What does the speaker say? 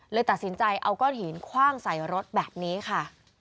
เลยตัดสินใจเอาก้อนหินคว่างใส่รถแบบนี้ค่ะ